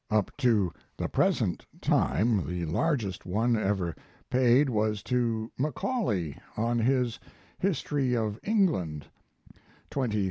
Up to the present time the largest one ever paid was to Macaulay on his History of England, L20,000.